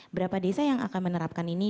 berapa desa yang akan menerapkan ini